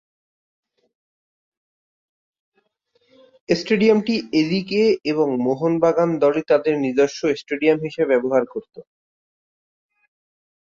স্টেডিয়ামটি ATK এবং মোহনবাগান দলই তাদের নিজস্ব স্টেডিয়াম হিসেবে ব্যবহার করতো।